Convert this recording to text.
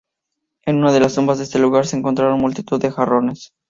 En una de las tumbas de este lugar se encontraron multitud de jarrones.